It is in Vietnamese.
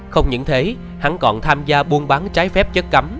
không những thế hắn còn tham gia buôn bán trái phép chất cấm